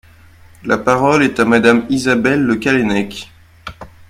La parole est à Madame Isabelle Le Callennec.